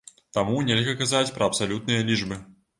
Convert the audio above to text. Таму нельга казаць пра абсалютныя лічбы.